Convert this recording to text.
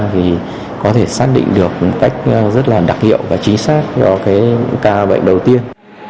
thì có thể xác định được một cách rất là đặc hiệu và chính xác cho những ca bệnh đầu tiên